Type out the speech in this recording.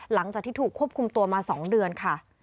หลังจากที่ถูกควบคุมตัวมา๒เดือนค่ะ